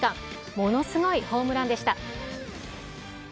ものすごいホームランでした。